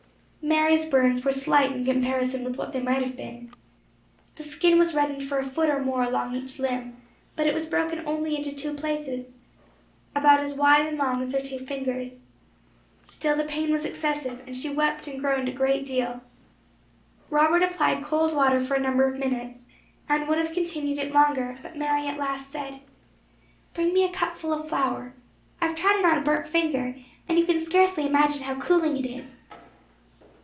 Mary's burns were slight in comparison with what they might have been. The skin was reddened for a foot or more along each limb; but it was broken only in two places, about as wide and long as her two fingers. Still the pain was excessive, and she wept and groaned a great deal. Robert applied cold water for a number of minutes, and would have continued it longer, but Mary at last said: "Bring me a cup full of flour. I have tried it on a burnt finger, and you can scarcely imagine how cooling it is."